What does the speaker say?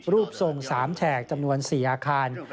รูปทรง๓แฉกจำนวน๔อาคาร